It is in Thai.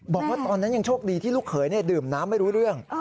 บอกว่าตอนนั้นยังโชคดีที่ลูกเขยดื่มน้ำไม่รู้เรื่อง